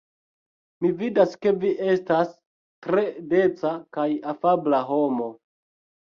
Mi vidas ke vi estas tre deca kaj afabla homo.